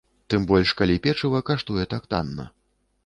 Тым больш калі печыва каштуе так танна.